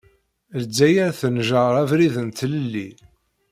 Lezzayer tenjeṛ abrid n tlelli.